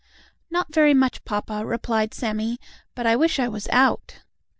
"Not very much, papa," replied Sammie, "but I wish I was out."